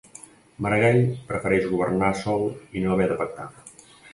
Maragall prefereix governar sol i no haver de pactar